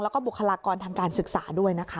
แล้วก็บุคลากรทางการศึกษาด้วยนะคะ